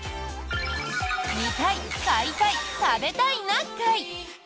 「見たい買いたい食べたいな会」。